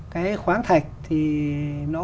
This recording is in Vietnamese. cái khoáng thạch thì nó